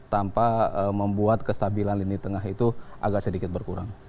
tanpa membuat kestabilan lini tengah itu agak sedikit berkurang